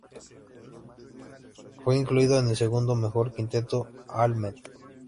Fue incluido en el segundo mejor quinteto All-Met.